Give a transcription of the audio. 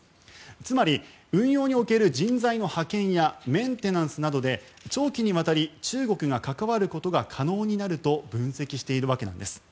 つまり運用における人材の派遣やメンテナンスなどで長期にわたり中国が関わることが可能になると分析しているわけなんです。